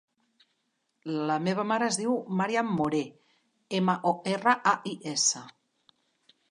La meva mare es diu Màriam Morais: ema, o, erra, a, i, essa.